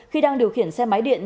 khi đang điều khiển xe máy điện